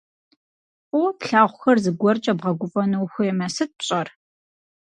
Фӏыуэ плъагъухэр зыгуэркӏэ бгъэгуфӏэну ухуеймэ, сыт пщӏэр?